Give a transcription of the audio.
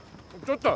ちょっと！